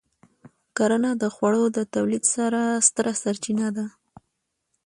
کرنه د خوړو د تولید ستره سرچینه ده.